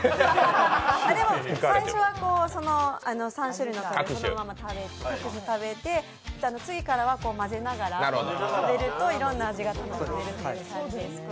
あっ、でも最初は３種類のカレーをそのまま一口食べて、次からは混ぜながら食べるといろんな味が楽しめるって感じですね。